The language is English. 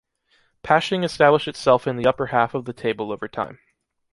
Pasching established itself in the upper half of the table over time.